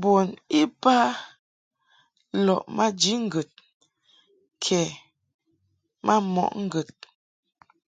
Bun iba lɔʼ maji ŋgəd kɛ ma mɔʼ ŋgəd.